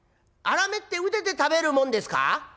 「あらめってうでて食べるもんですか？」。